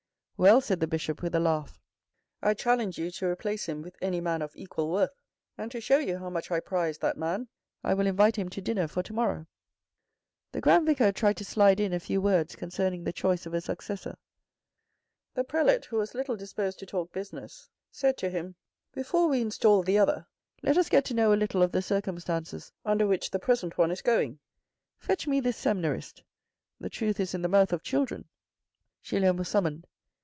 11 Well," said the Bishop with a laugh. " I challenge you to replace him with any man of equal worth, and to show you how much I prize that man, I will invite him to dinner for to morrow." The Grand Vicar tried to slide in a few words concerning the choice of a successor. The prelate, who was little disposed to talk business, said to him. " Before we install the other, let us get to know a little of the circumstances under which the present one is going. Fetch me this seminarist. The truth is in the mouth of children." Julien was summoned.